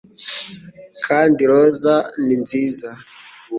Kandi roza ni nziza;